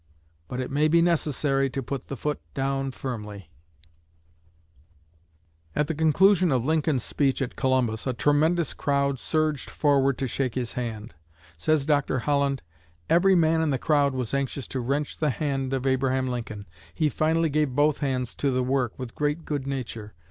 But it may be necessary to put the foot down firmly." At the conclusion of Lincoln's speech at Columbus, a tremendous crowd surged forward to shake his hand. Says Dr. Holland: "Every man in the crowd was anxious to wrench the hand of Abraham Lincoln. He finally gave both hands to the work, with great good nature.